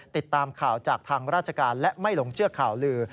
ติดตามข่าวจากทางราชการและไม่หลงเชื่อข่าวลือ